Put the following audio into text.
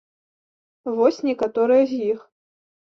Вось некаторыя з іх.